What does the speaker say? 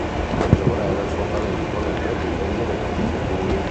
La maggiore era il suo Talento nel predire gli eventi futuri.".